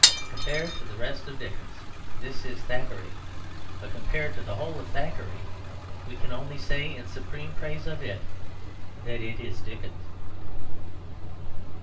Compared to the rest of Dickens this is Thackeray; but compared to the whole of Thackeray we can only say in supreme praise of it that it is Dickens.